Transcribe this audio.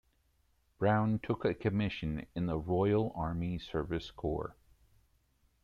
Brown took a commission in the Royal Army Service Corps.